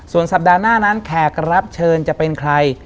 ส่วนสัปดาห์หน้านั้นแขกรับเชิญจะเป็นใคร